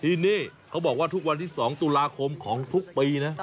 ที่นี่เขาบอกว่าทุกวันที่๒ตุลาคมของทุกปีนะ